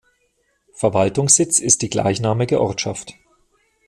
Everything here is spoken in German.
Verwaltungssitz ist die gleichnamige Ortschaft.